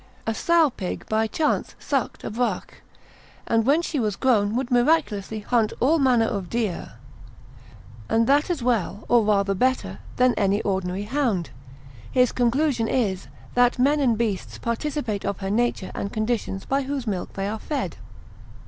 A sow pig by chance sucked a brach, and when she was grown would miraculously hunt all manner of deer, and that as well, or rather better, than any ordinary hound. His conclusion is, that men and beasts participate of her nature and conditions by whose milk they are fed.